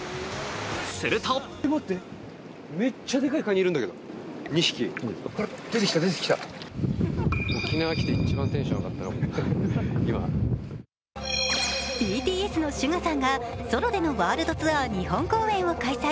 するとＢＴＳのＳＵＧＡさんがソロでのワールドツアー日本公演を開催。